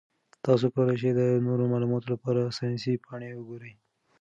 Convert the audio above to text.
تاسو کولی شئ د نورو معلوماتو لپاره ساینسي پاڼې وګورئ.